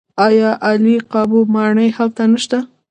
آیا عالي قاپو ماڼۍ هلته نشته؟